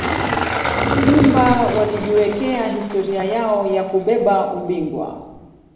simba walijiwekea historia yao ya kubeba ubingwa